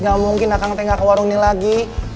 gak mungkin akan tenggak ke warung ini lagi